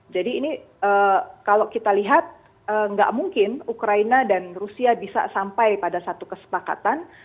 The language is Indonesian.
jadi ini kalau kita lihat nggak mungkin ukraina dan rusia bisa sampai pada satu kesepakatan